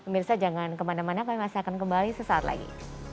mirsa jangan kemana mana kami masih akan kembali sesaat lagi